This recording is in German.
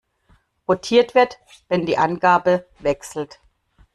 Rotiert wird, wenn die Angabe wechselt.